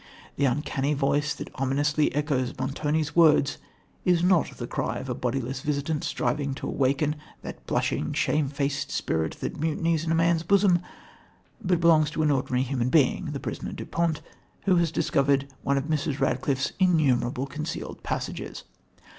The uncanny voice that ominously echoes Montoni's words is not the cry of a bodiless visitant striving to awaken "that blushing, shamefaced spirit that mutinies in a man's bosom," but belongs to an ordinary human being, the prisoner Du Pont, who has discovered one of Mrs. Radcliffe's innumerable concealed passages.